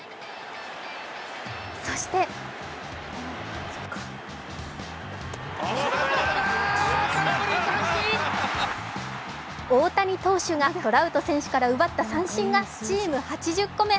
そして大谷投手がトラウト選手から奪った三振がチーム８０個目。